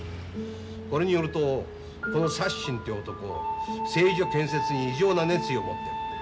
これによるとこのサッシンという男製油所建設に異常な熱意を持ってる。